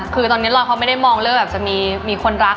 คือตอนนี้เราเขาไม่ได้มองเรื่องแบบจะมีคนรัก